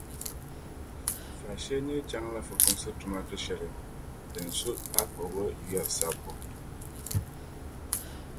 Faashee nir’ chaŋla fukumsi tuma du’ shɛli din su paɣ’ kpuɣibo yuya sabbu.